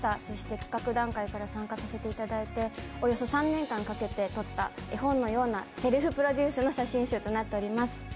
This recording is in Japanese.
そして企画段階から参加させていただいておよそ３年間かけて撮った絵本のようなセルフプロデュースの写真集となっております。